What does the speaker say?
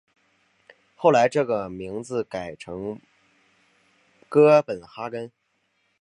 后来这个名字改成哥本哈根。